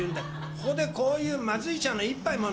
ここでこういうまずい茶の一杯も飲むんだろ？